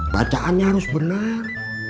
bacaannya harus benar